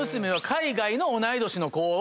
海外の同い年の子の。